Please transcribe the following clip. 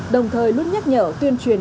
đồng thời luôn nhắc nhở tuyên truyền